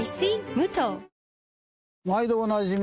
無糖毎度おなじみ